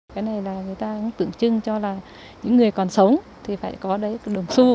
cái này là người ta cũng tưởng chưng cho là những người còn sống thì phải có đồng xu